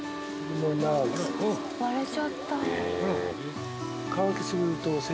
割れちゃった。